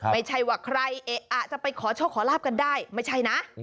ไม่ใช่ว่าใครจะไปขอโชคขอลาบกันได้ไม่ใช่นะ